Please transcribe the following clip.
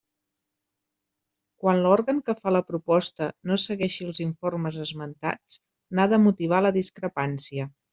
Quan l'òrgan que fa la proposta no segueixi els informes esmentats, n'ha de motivar la discrepància.